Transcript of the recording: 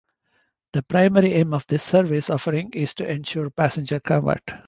The primary aim of this service offering is to ensure passenger comfort.